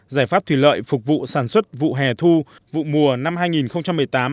giải pháp thủy lợi phục vụ sản xuất vụ hè thu vụ mùa năm hai nghìn một mươi tám